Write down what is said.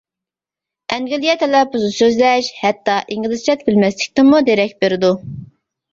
ئەنگلىيە تەلەپپۇزىدا سۆزلەش ھەتتا ئىنگلىزچە بىلمەسلىكتىنمۇ دېرەك بېرىدۇ.